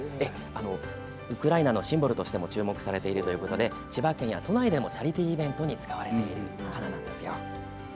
ウクライナのシンボルとしても注目されているということで千葉県や都内でもチャリティーイベントに使われている花なんです。